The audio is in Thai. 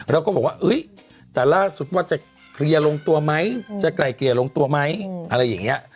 แล้วก็คำถามว่าจะกลายเกลียนลงตัวมั้ยอะไรอย่างนี้